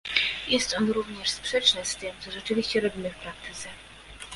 Jest on również sprzeczny z tym, co rzeczywiście robimy w praktyce